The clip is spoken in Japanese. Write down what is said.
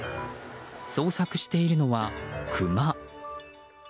捜索しているのはクマ。